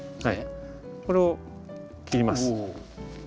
これを切ります。